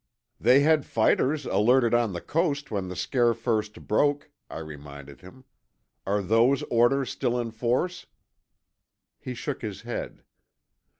"They had fighters alerted on the Coast, when the scare first broke," I reminded him. "Are those orders still in force?" He shook his head.